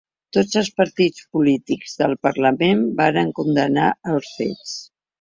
Tots els partits polítics del parlament varen condemnar els fets.